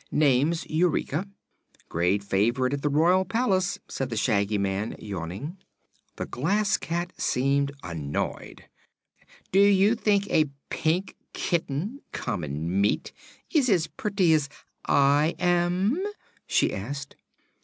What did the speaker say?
Name's Eureka. Great favorite at the royal palace," said the Shaggy Man, yawning. The Glass Cat seemed annoyed. "Do you think a pink kitten common meat is as pretty as I am?" she asked.